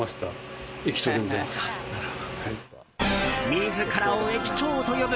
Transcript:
自らを駅長と呼ぶ。